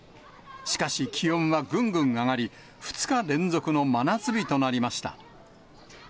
しかし、気温はぐんぐん上がり、２日連続の真夏日となりました。